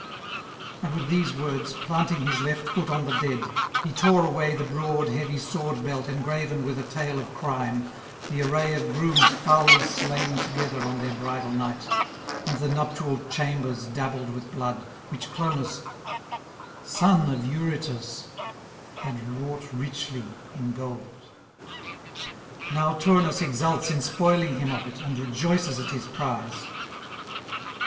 And with these words, planting his left foot on the dead, he tore away the broad heavy sword belt engraven with a tale of crime, the array of grooms foully slain together on their bridal night, and the nuptial chambers dabbled with blood, which Clonus, son of Eurytus, had wrought richly in gold. Now Turnus exults in spoiling him of it, and rejoices at his prize.